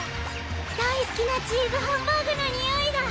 だいすきなチーズハンバーグのにおいだ。